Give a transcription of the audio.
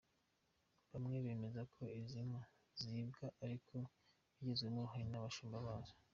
Bamwe bemeza ko izi nka zibwa ariko bigizwemo uruhare n’abashumba bazo.